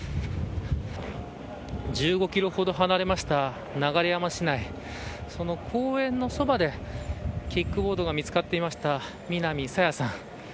１５キロほど離れました流山市内その公園のそばでキックボードが見つかっていました南朝芽さん。